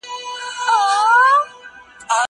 زه اجازه لرم چي پاکوالي وساتم!